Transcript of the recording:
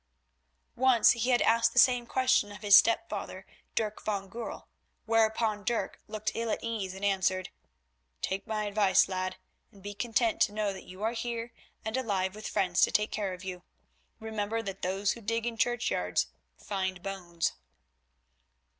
Once he had asked the same question of his stepfather, Dirk van Goorl, whereupon Dirk looked ill at ease and answered: "Take my advice, lad, and be content to know that you are here and alive with friends to take care of you. Remember that those who dig in churchyards find bones."